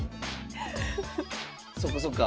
そっかそっか。